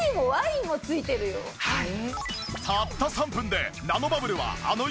はい。